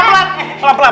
boleh banget dong